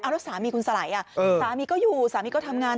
แล้วสามีคุณสไหลสามีก็อยู่สามีก็ทำงาน